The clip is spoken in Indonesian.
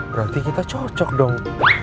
berarti kita cocok dong